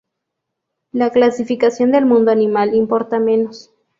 La clasificación del mundo animal importa menos.